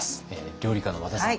料理家の和田さん。